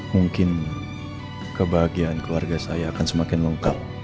mungkin kebahagiaan keluarga saya akan semakin lengkap